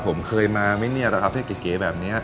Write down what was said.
ผมเคยมาไม่เนียระครับที่เก๋แบบนี้